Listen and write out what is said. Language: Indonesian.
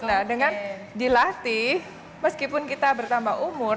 nah dengan dilatih meskipun kita bertambah umur